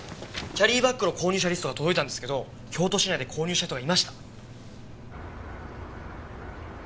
キャリーバッグの購入者リストが届いたんですけど京都市内で購入した人がいました。